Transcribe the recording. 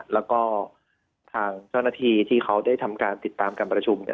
แล้วก็ทางเจ้าหน้าที่ที่เขาได้ทำการติดตามการประชุมเนี่ย